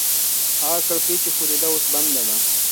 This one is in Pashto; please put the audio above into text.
هغه کړکۍ چې ښورېده اوس بنده ده.